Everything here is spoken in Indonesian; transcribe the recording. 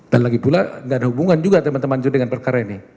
dan lagi pula tidak ada hubungan juga teman teman dengan perkara ini